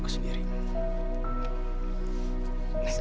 aku ke atas dulu